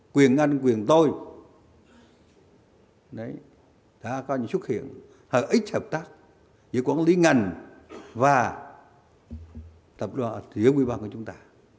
quyền ngân quyền tôi đã có những xuất hiện hợp ích hợp tác giữa quản lý ngành và tập đoàn ủy ban của chúng ta